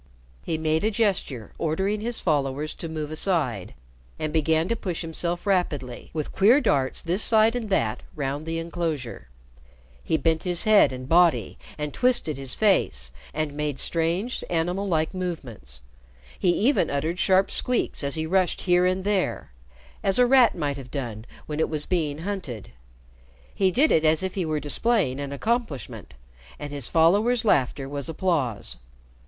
He made a gesture ordering his followers to move aside, and began to push himself rapidly, with queer darts this side and that round the inclosure. He bent his head and body, and twisted his face, and made strange animal like movements. He even uttered sharp squeaks as he rushed here and there as a rat might have done when it was being hunted. He did it as if he were displaying an accomplishment, and his followers' laughter was applause.